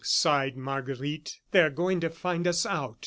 sighed Marguerite. "They are going to find us out!"